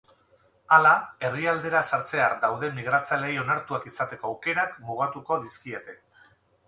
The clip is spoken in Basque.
Hala, herrialdera sartzear dauden migratzaileei onartuak izateko aukerak mugatuko dizkiete.